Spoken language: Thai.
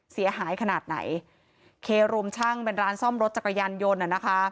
เสียหายขนาดไหนเครวมช่างเป็นร้านซ่อมรถจักรยานยนต์อ่ะนะคะ